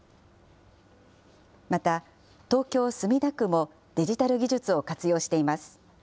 また、東京・墨田区もデジタル技術を活用しています。